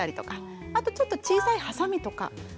あとちょっと小さいはさみとかありますよね。